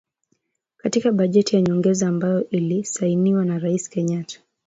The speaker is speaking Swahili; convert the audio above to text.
Katika bajeti ya nyongeza ambayo ilisainiwa na Rais Kenyatta